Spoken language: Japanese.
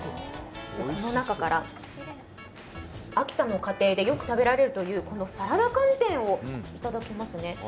この中から秋田の家庭でよく食べられるというサラダ寒天を頂きますね。